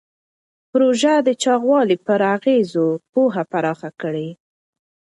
پروژه د چاغوالي پر اغېزو پوهه پراخه کړې.